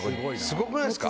すごくないですか？